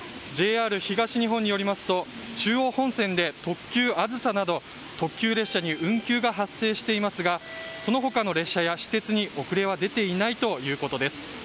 ＪＲ東日本によりますと中央本線で特急「あずさ」など特急列車に運休が発生していますがその他の列車や私鉄に遅れは出ていないということです。